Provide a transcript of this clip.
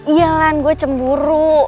iya lan gue cemburu